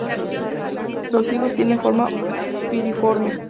Los higos tienen forma piriforme.